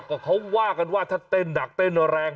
ก็เขาว่ากันว่าถ้าเต้นหนักเต้นแรง